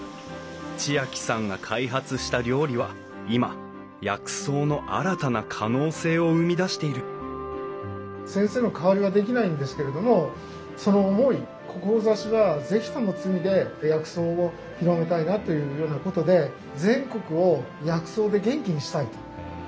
知亜季さんが開発した料理は今薬草の新たな可能性を生み出している先生の代わりはできないんですけれどもその思い志は是非とも継いで薬草を広めたいなというようなことで全国を薬草で元気にしたいと。